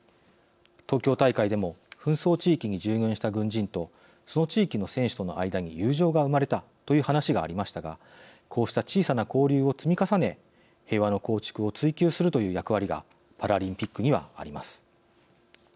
東京大会でも紛争地域に従軍した軍人とその地域の選手との間に友情が生まれたという話がありましたがこうした小さな交流を積み重ね平和の構築を追求するという役割がパラリンピックにはあります。